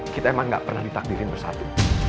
kita emang gak pernah ditakdirin bersatu